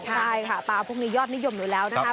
ใช่ค่ะปลาพวกนี้ยอดนิยมอยู่แล้วนะครับ